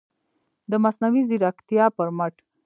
د مصنوعي ځیرکتیا پر مټ